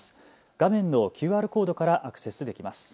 画面のＱＲコードからアクセスできます。